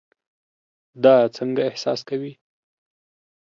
دا څنګه احساس کوي؟